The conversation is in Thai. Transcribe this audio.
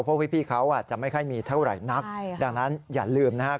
พวกพี่เขาอาจจะไม่ค่อยมีเท่าไหร่นักดังนั้นอย่าลืมนะครับ